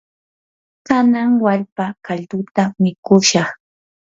kanan wallpa kalduta mikushaq.